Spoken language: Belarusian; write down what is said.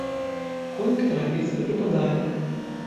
Конь к травіцы прыпадае.